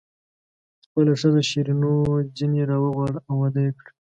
خپله ښځه شیرینو ځنې راوغواړه او واده یې کړه.